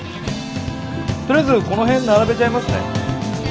とりあえずこの辺並べちゃいますね。